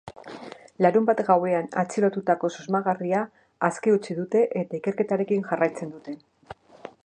Larunbat gauean atxilotutako susmagarria aske utzi dute eta ikerketarekin jarraitzen dute.